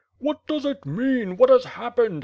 "What does it mean? What has happened?"